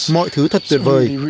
mọi thứ thật tuyệt vời